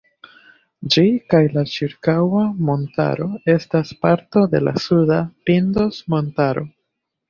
Ĝi kaj la ĉirkaŭa montaro estas parto de la suda "Pindos"-montaro.